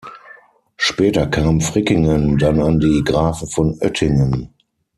Später kam Frickingen dann an die Grafen von Oettingen.